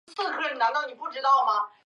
五台金银花